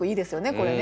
これね。